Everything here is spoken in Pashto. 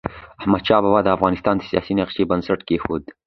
احمدشاه بابا د افغانستان د سیاسی نقشې بنسټ کيښود.